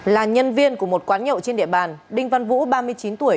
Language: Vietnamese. là nhân viên của một quán nhậu trên địa bàn đinh văn vũ ba mươi chín tuổi